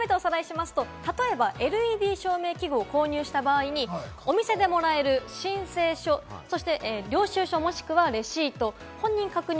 例えばＬＥＤ照明器具を購入した場合にお店でもらえる申請書、領収書、もしくはレシート、本人確認